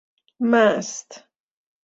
مست